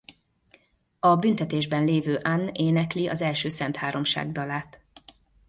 A büntetésben lévő Anne énekli az első szentháromság dalát.